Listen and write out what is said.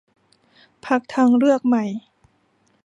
พรรคทางเลือกใหม่